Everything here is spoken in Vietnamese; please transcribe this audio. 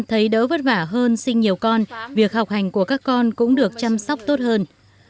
thấy đỡ vất vả hơn sinh nhiều con việc học hành của các con cũng được chăm sóc tốt hơn